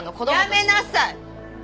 やめなさい！